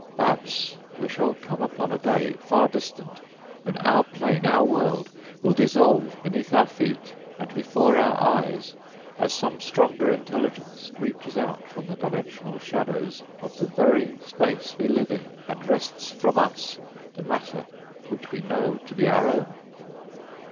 _ _Perhaps we shall come upon a day, far distant, when our plane, our world will dissolve beneath our feet and before our eyes as some stronger intelligence reaches out from the dimensional shadows of the very space we live in and wrests from us the matter which we know to be our own.